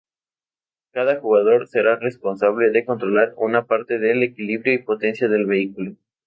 Cada jugador será responsable de controlar una parte del equilibrio y potencia del vehículo.